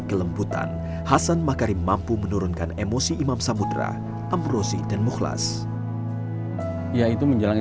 kelembutan hasan makarim mampu menurunkan emosi imam samudera ambrosi dan mukhlas yaitu menjalani